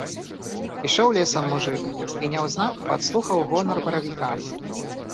Ішоў лесам мужык і няўзнак падслухаў гонар баравіка.